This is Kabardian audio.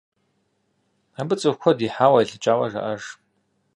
Абы цӀыху куэд ихьауэ, илӀыкӀауэ жаӀэж.